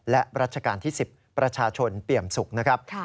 และรัชกาลที่๑๐ประชาชนเปี่ยมสุขนะครับ